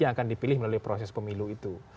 yang akan dipilih melalui proses pemilu itu